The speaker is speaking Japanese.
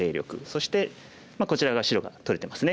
そしてこちらが白が取れてますね